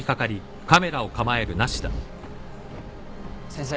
先生